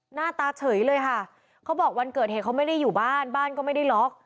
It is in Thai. หน้าตาเฉยเลยค่ะเขาบอกวันเกิดเหตุเขาไม่ได้อยู่บ้านบ้านก็ไม่ได้ล็อก